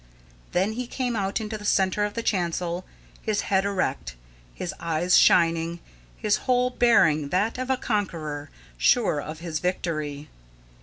Then he came out into the centre of the chancel, his head erect, his eyes shining, his whole bearing that of a conqueror sure of his victory.